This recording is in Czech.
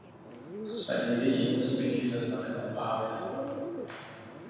Své největší úspěchy zaznamenal v hale.